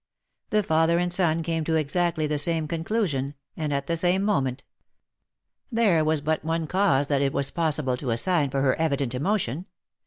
The father and son came to exactly the same conclusion, and at the same moment. There was but one cause that it was possible to assign for her evident emotion.